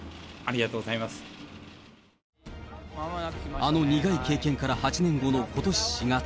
あの苦い経験から８年後のことし４月。